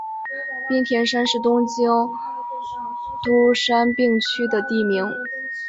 滨田山是东京都杉并区的地名。